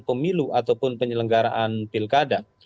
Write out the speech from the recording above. pemilu ataupun penyelenggaraan pilkada